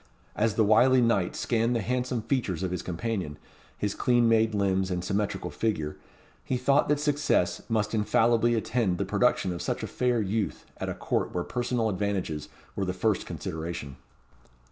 As the wily knight scanned the handsome features of his companion, his clean made limbs, and symmetrical figure, he thought that success must infallibly attend the production of such a fair youth at a Court where personal advantages were the first consideration.